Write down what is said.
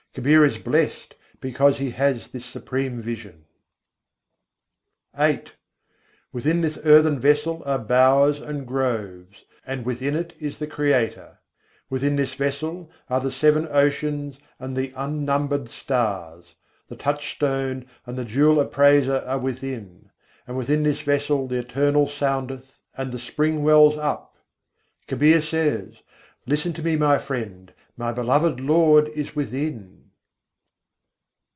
Kabîr is blest because he has this supreme vision! VIII I. 101. is ghat antar bâg bagîce Within this earthen vessel are bowers and groves, and within it is the Creator: Within this vessel are the seven oceans and the unnumbered stars. The touchstone and the jewel appraiser are within; And within this vessel the Eternal soundeth, and the spring wells up. Kabîr says: "Listen to me, my Friend! My beloved Lord is within."